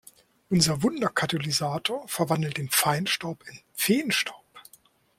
Unser Wunderkatalysator verwandelt den Feinstaub in Feenstaub.